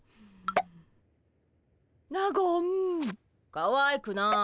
かわいくない。